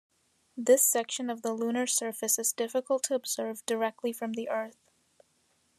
This section of the lunar surface is difficult to observe directly from the Earth.